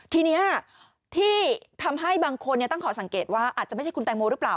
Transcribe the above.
ทีนี้ที่ทำให้บางคนตั้งขอสังเกตว่าอาจจะไม่ใช่คุณแตงโมหรือเปล่า